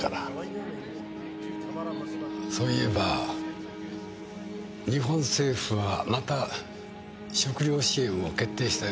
そういえば日本政府はまた食糧支援を決定したようだな。